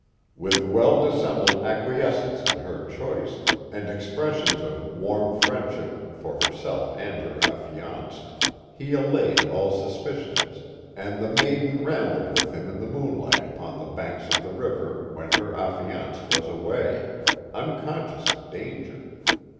With well dissembled acquiescence in her choice, and expressions of warm friendship for herself and her affianced, he allayed all suapicioni, and the maiden rambled with him in the moonlight upon (he banks of the river when her affianced was away, unconscious of danger.